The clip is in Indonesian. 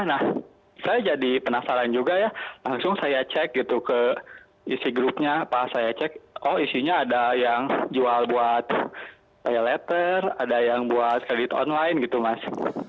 nah saya jadi penasaran juga ya langsung saya cek gitu ke isi grupnya pas saya cek oh isinya ada yang jual buat pay letter ada yang buat kredit online gitu mas